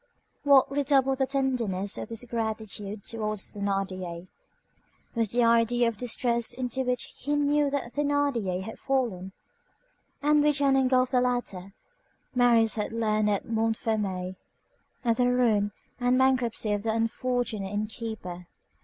What redoubled the tenderness of his gratitude towards Thénardier, was the idea of the distress into which he knew that Thénardier had fallen, and which had engulfed the latter. Marius had learned at Montfermeil of the ruin and bankruptcy of the unfortunate inn keeper.